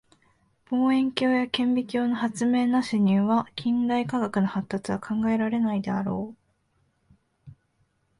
望遠鏡や顕微鏡の発明なしには近代科学の発達は考えられないであろう。